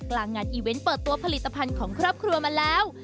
งานอีเวนต์เปิดตัวผลิตภัณฑ์ของครอบครัวมาแล้ว